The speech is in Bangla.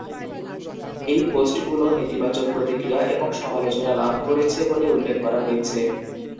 এই পোস্টগুলো নেতিবাচক প্রতিক্রিয়া এবং সমালোচনা লাভ করেছে বলে উল্লেখ করা হয়েছে।